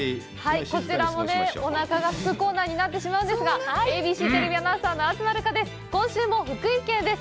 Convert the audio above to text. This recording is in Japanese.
こちらも、おなかがすくコーナーになってしまうんですが、ＡＢＣテレビアナウンサーの東留伽です。